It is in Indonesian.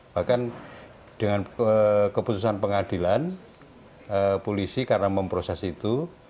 bahkan dengan keputusan pengadilan polisi karena memproses itu